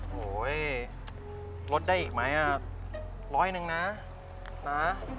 โหยลดได้อีกไหมร้อยหนึ่งนะนะ